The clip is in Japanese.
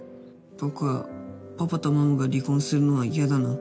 僕はパパとママが離婚するのは嫌だな。